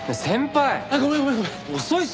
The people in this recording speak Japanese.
先輩！